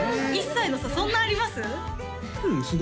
１歳の差そんなあります？